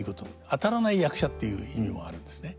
当たらない役者っていう意味もあるんですね。